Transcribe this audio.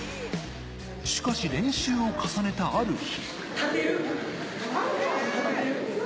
しかし練習を重ねた、ある日。